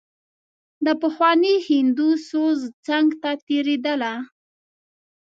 د پخواني هندو سوز څنګ ته تېرېدله.